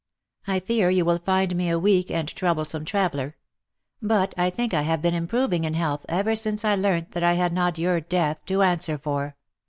I fear you will find me a weak and troublesome traveller ; but I think I have been im proving in health ever since I learnt that I had not your death to answer for.